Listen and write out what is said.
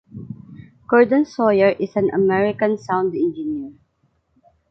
Gordon Sawyer is an American sound engineer.